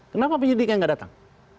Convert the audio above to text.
kenapa penyidiknya nggak datang